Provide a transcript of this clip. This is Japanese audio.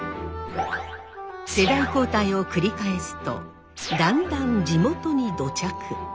世代交代を繰り返すとだんだん地元に土着。